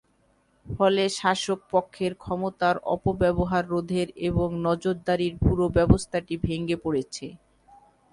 ফলে শাসকপক্ষের ক্ষমতার অপব্যবহার রোধের এবং নজরদারির পুরো ব্যবস্থাটি ভেঙে পড়েছে।